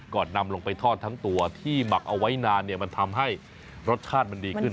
นำลงไปทอดทั้งตัวที่หมักเอาไว้นานเนี่ยมันทำให้รสชาติมันดีขึ้น